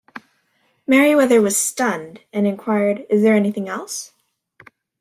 Meriwether was "stunned" and inquired, "Is there anything else?